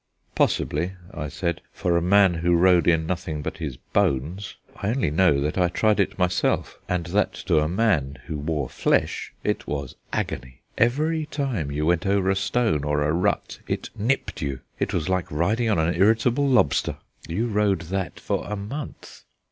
"Possibly," I said, "for a man who rode in nothing but his bones. I only know that I tried it myself, and that to a man who wore flesh it was agony. Every time you went over a stone or a rut it nipped you; it was like riding on an irritable lobster. You rode that for a month."